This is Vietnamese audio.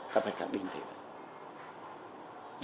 ta phải khẳng định thế này